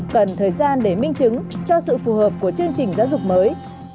cần thời gian để minh chứng cho sự phù hợp của chương trình giáo dục mới